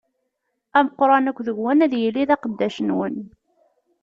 Ameqqran akk deg-wen ad yili d aqeddac-nwen.